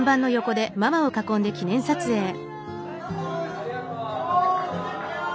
ありがとう！